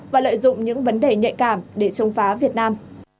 và lợi dụng những vấn đề nhạy cảm để chống phá việt nam